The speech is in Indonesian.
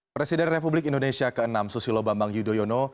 presiden republik indonesia ke enam susilo bambang yudhoyono